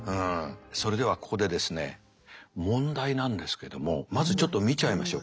それではここでですね問題なんですけどもまずちょっと見ちゃいましょう。